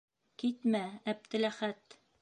Китмә, Әптеләхәт!